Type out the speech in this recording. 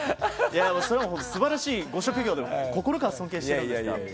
それは素晴らしいご職業だと心から尊敬してるんですが。